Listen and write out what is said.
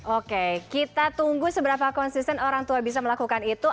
oke kita tunggu seberapa konsisten orang tua bisa melakukan itu